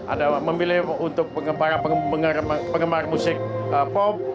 ada memilih untuk para penggemar musik pop